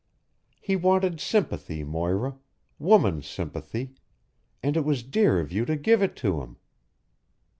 He wanted sympathy, Moira woman's sympathy, and it was dear of you to give it to him."